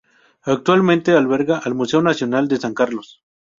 Actualmente alberga al Museo Nacional de San Carlos.